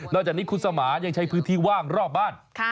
จากนี้คุณสมานยังใช้พื้นที่ว่างรอบบ้าน